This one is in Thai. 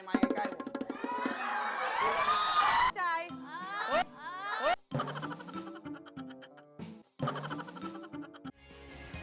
ไมค์ใกล้